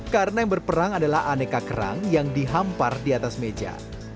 karena yang berperang adalah aneka kerang yang dihampar di atas meja